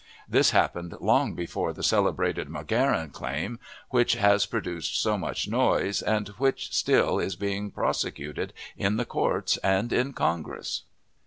This happened long before the celebrated McGarrahan claim, which has produced so much noise, and which still is being prosecuted in the courts and in Congress.